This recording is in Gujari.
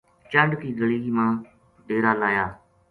چنڈ کی گلی ما ڈیرا لایا